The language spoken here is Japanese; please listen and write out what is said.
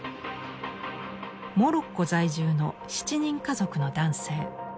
モロッコ在住の７人家族の男性。